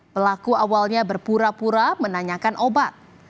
pelaku awalnya berpura pura menanyakan obat